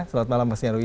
selamat malam mas nyarwi